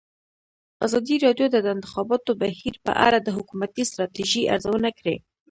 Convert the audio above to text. ازادي راډیو د د انتخاباتو بهیر په اړه د حکومتي ستراتیژۍ ارزونه کړې.